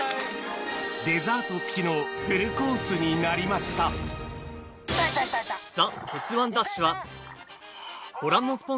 デザート付きのフルコースになりました『ザ！